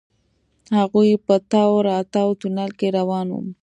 هغوئ په تاو راتاو تونل کې روان وو.